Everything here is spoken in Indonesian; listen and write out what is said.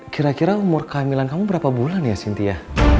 kira kira umur kehamilan kamu berapa bulan ya cynthia